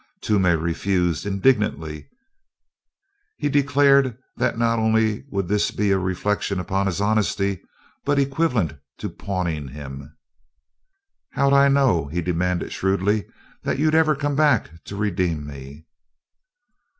Toomey refused indignantly. He declared that not only would this be a reflection upon his honesty, but equivalent to pawning him. "How'd I know," he demanded shrewdly, "that you'd ever come back to redeem me?"